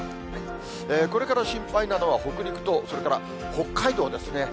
これから心配なのは、北陸と、それから北海道ですね。